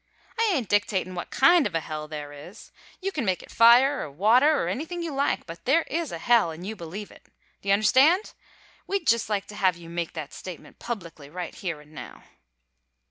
I ain't dictatin' what kind of a hell there is; you can make it fire or water or anything else you like, but there is a hell, an' you believe in it. D'ye understand? We'd just like to have you make that statement publicly right here an' now."